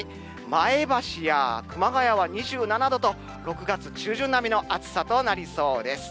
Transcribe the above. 前橋や熊谷は２７度と、６月中旬並みの暑さとなりそうです。